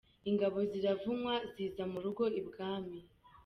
Ingabo ziravunywa ziza mu rugo i bwami.